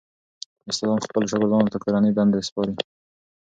استادان خپلو شاګردانو ته کورنۍ دندې سپاري.